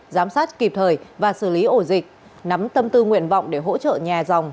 giám sát kịp thời và xử lý ổ dịch nắm tâm tư nguyện vọng để hỗ trợ nhà dòng